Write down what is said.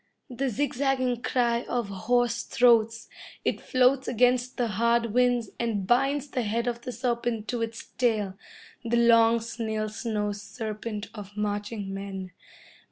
The zigzagging cry of hoarse throats, it floats against the hard winds, and binds the head of the serpent to its tail, the long snail slow serpent of marching men.